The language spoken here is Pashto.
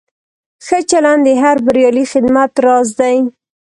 ښه چلند د هر بریالي خدمت راز دی.